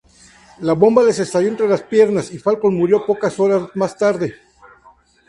La bomba les estalló entre las piernas, y Falcón murió pocas horas más tarde.